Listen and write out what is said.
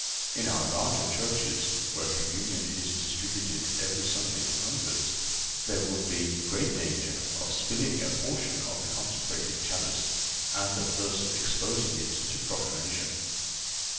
In our larger churches, where communion is distributed every Sunday to hundreds, there would be great danger of spilling a portion of the consecrated chalice and of thus exposing it to profanation.